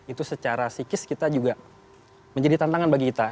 itu secara psikis kita juga menjadi tantangan bagi kita